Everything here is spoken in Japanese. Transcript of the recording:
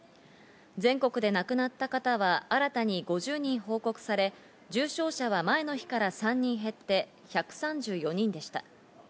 全国で亡くなった方は新たに５０人報告され、重症者は前の日から３人減って１３４人でした。